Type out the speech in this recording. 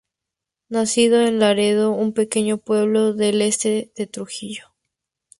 Nacido en Laredo, un pequeño pueblo al este de Trujillo.